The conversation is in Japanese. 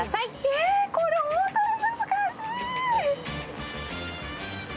え、これ、ホントに難しい。